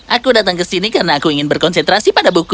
aku datang ke sini karena aku ingin berkonsentrasi pada buku